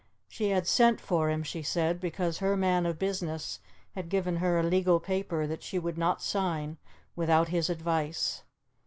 She had sent for him, she said, because her man of business had given her a legal paper that she would not sign without his advice.